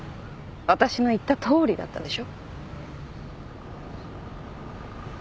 私の言ったとおりだったでしょ。